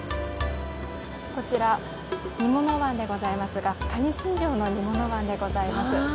こちら煮物椀でございますが蟹真丈の煮物椀でございます。